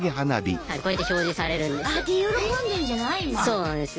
そうなんです。